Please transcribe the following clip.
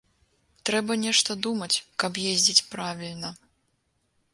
Трэба нешта думаць, каб ездзіць правільна.